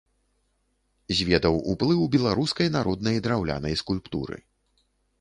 Зведаў уплыў беларускай народнай драўлянай скульптуры.